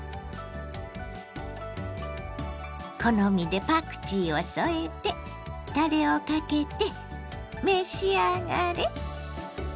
好みでパクチーを添えてたれをかけて召し上がれ！